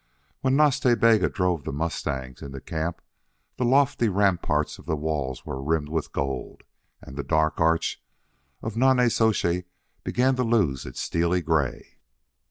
When Nas Ta Bega drove the mustangs into camp the lofty ramparts of the walls were rimmed with gold and the dark arch of Nonnezoshe began to lose its steely gray.